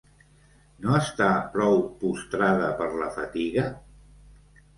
No està prou postrada per la fatiga?